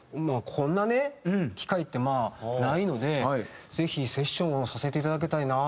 こんなね機会ってまあないのでぜひセッションをさせていただきたいな。